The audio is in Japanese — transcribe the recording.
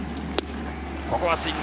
ここはスイング。